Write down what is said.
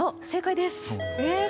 正解です！